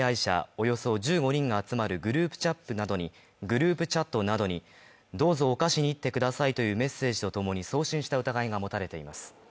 およそ１５人が集まるグループチャップなどにどうぞ犯しに行ってくださいというメッセージとともに送信した疑いが持たれています。